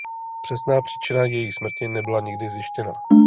Přesná příčina její smrti nebyla nikdy zjištěna.